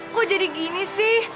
kok jadi gini sih